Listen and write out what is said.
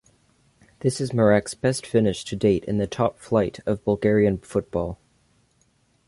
This is Marek's best finish to date in the top flight of Bulgarian football.